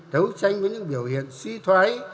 đấu tranh với những biểu hiện suy thoái